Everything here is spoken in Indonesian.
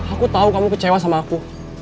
aku tahu kamu kecewa sama aku